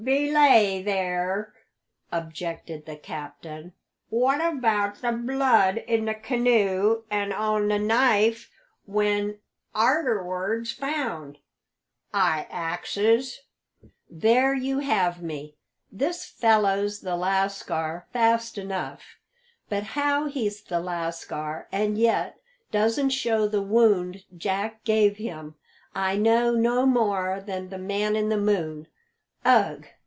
"Belay there!" objected the captain. "What about the blood in the canoe and on the knife when arterwards found? I axes." "There you have me. This fellow's the lascar fast enough; but how he's the lascar and yet doesn't show the wound Jack gave him, I know no more than the man in the moon. Ugh!